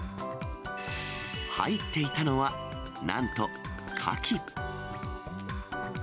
入っていたのは、なんとカキ。